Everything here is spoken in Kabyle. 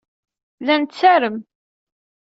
La nettarem.